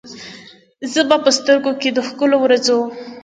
زه به په سترګو کې، د ښکلو ورځو،